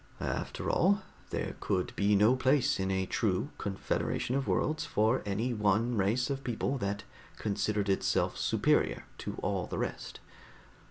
"After all, there could be no place in a true Confederation of worlds for any one race of people that considered itself superior to all the rest.